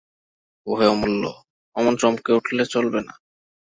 ওহে অমূল্য, অমন চমকে উঠলে চলবে না।